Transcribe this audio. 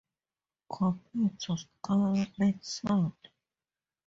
Compare to scalar meson.